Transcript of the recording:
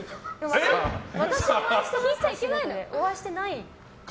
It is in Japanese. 私、お会いしてない？